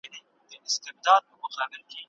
ستورپوهنې څه وخت خپله لاره جلا کړه؟